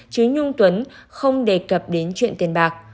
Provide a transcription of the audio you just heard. chứ nhung tuấn không đề cập đến chuyện tiền bạc